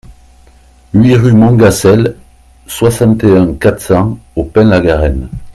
huit rue de Montgacel, soixante et un, quatre cents au Pin-la-Garenne